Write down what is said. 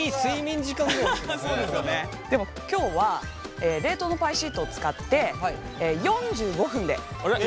でも今日は冷凍のパイシートを使って４５分で作っていきます。